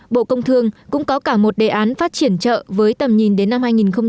bộ công thương cũng có cả một đề án phát triển chợ với tầm nhìn đến năm hai nghìn ba mươi